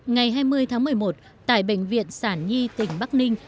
ngày hai mươi tháng một mươi một tại bệnh viện sản nhi tỉnh bắc ninh